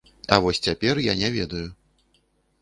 А вось цяпер я не ведаю.